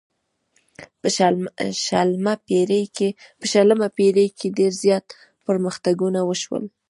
په شلمه پیړۍ کې ډیر زیات پرمختګونه وشول.